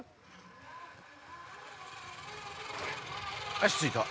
足着いた。